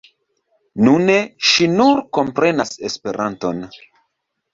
Nune ŝi nur komprenas Esperanton.